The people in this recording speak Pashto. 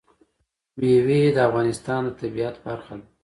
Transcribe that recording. مېوې د افغانستان د طبیعت برخه ده.